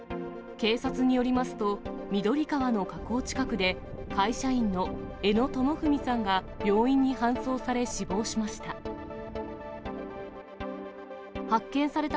警察によりますと、緑川の河口近くで、会社員の江野倫史さんが病院に搬送され死亡しました。